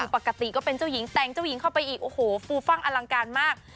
ปกติก็เป็นเจ้าหญิงแต่งเจ้าหญิงเข้าไปอีกโอ้โหฟูฟั่งอลังการมาก